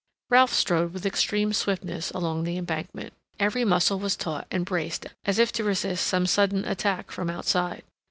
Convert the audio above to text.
Ralph strode with extreme swiftness along the Embankment. Every muscle was taut and braced as if to resist some sudden attack from outside.